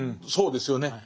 そうですよね。